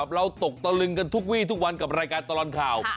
เราตกตะลึงกันทุกวีทุกวันกับรายการตลอดข่าว